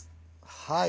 はい。